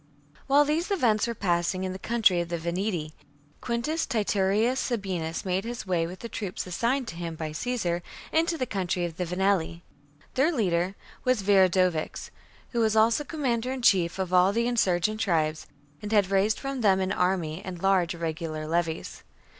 While these events were passing in the country of the Veneti, Quintus Titurius Sabinus made his way with the troops assigned to him by Caesar into the country of the Venelli. Their leader was Viridovix, who was also commander in chief of all the insurgent tribes, and had raised from them an army and large irregular levies.